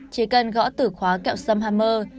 chỉ cần gõ tử khóa kẹo xâm hammer